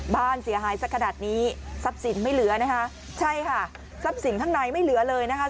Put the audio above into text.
บ้านเสียหายสักขนาดนี้ทรัพย์สินไม่เหลือ